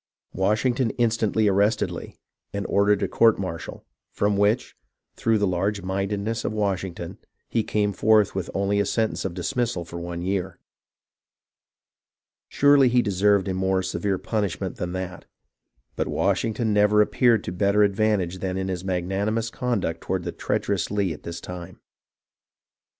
Washington instantly ar rested Lee, and ordered a court martial, from which, through the large mindedness of Washington, he came forth with only a sentence of dismissal for one year. Surely he deserved a more severe punishment than that, but Washing ton never appeared to better advantage than in his mag nanimous conduct toward the treacherous Lee at this time.